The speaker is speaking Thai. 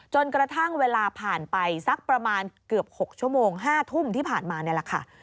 จนกระทั่งเวลาผ่านไปสักประมาณเกือบ๖ชั่วโมง๕ทุ่มที่ผ่านมานี่แหละค่ะ